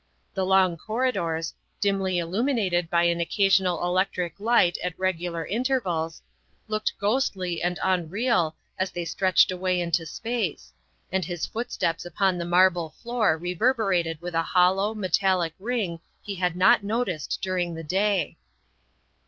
The long corridors, dimly illuminated by an occasional electric light at regular intervals, looked THE SECRETARY OF STATE 179 ghostly and unreal as they stretched away into space, and his footsteps upon the marble floor reverberated with a hollow, metallic ring he had not noticed during the day.